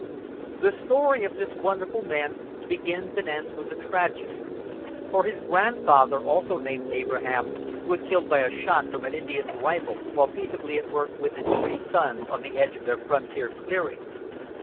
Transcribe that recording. The story of this wonderful man begins and ends with a tragedy, for his grandfather, also named Abraham, was killed by a shot from an Indian's rifle while peaceably at work with his three sons on the edge of their frontier clearing.